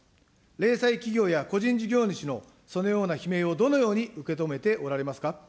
零細企業や個人事業主のそのような悲鳴をどのように受け止めておられますか。